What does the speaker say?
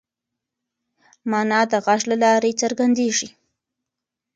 مانا د غږ له لارې څرګنديږي.